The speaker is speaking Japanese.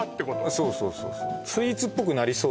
そうそうそうそう